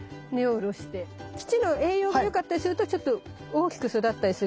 土の栄養が良かったりするとちょっと大きく育ったりすることも。